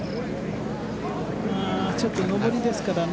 ちょっと上りですからね。